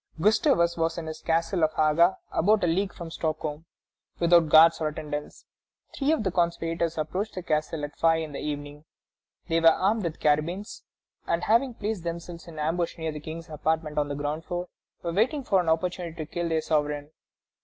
Gustavus was in his castle of Haga, about a league from Stockholm, without guards or attendants. Three of the conspirators approached the castle at five in the evening. They were armed with carbines, and, having placed themselves in ambush near the King's apartment on the ground floor, were awaiting an opportunity to kill their sovereign.